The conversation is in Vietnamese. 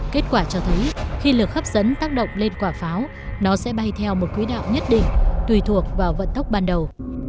kết quả cho thấy khi lực hấp dẫn tác động lên quả pháo nó sẽ bay theo một quỹ đạo nhất định tùy thuộc vào vận tốc ban đầu